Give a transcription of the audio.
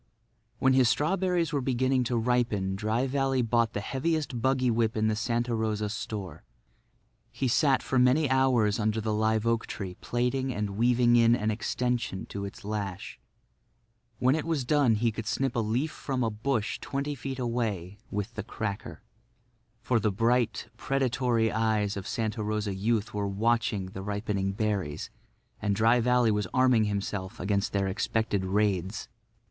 When his strawberries were beginning to ripen Dry Valley bought the heaviest buggy whip in the Santa Rosa store. He sat for many hours under the live oak tree plaiting and weaving in an extension to its lash. When it was done he could snip a leaf from a bush twenty feet away with the cracker. For the bright, predatory eyes of Santa Rosa youth were watching the ripening berries, and Dry Valley was arming himself against their expected raids.